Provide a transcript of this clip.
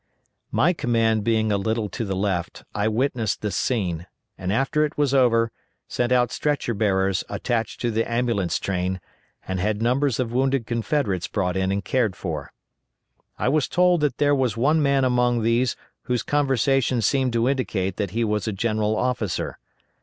My command being a little to the left, I witnessed this scene, and, after it was over, sent out stretcher bearers attached to the ambulance train, and had numbers of wounded Confederates brought in and cared for. I was told that there was one man among these whose conversation seemed to indicate that he was a general officer.